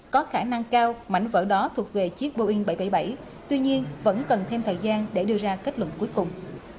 có khả năng cao mảnh vỡ đó thuộc về chiếc boeing bảy trăm bảy mươi bảy tuy nhiên vẫn cần thêm thời gian để đưa ra kết luận cuối cùng